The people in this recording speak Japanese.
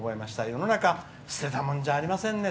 世の中捨てたもんじゃありませんね」。